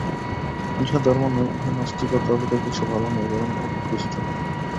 ইহা ধর্ম নয়, ইহা নাস্তিকতা অপেক্ষা কিছু ভাল নয়, বরং অপকৃষ্ট।